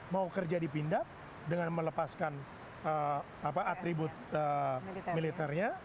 mau kerja di pindad dengan melepaskan atribut militernya